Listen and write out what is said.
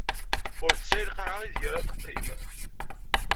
Ur tesɛi lqaɛa ideg ar ad teqqim.